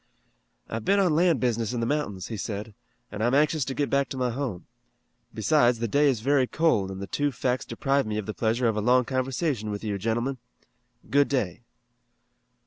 "I've been on land business in the mountains," he said, "and I'm anxious to get back to my home. Besides the day is very cold, and the two facts deprive me of the pleasure of a long conversation with you, gentlemen. Good day."